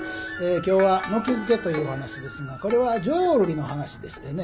今日は「軒づけ」というお噺ですがこれは浄瑠璃の噺でしてね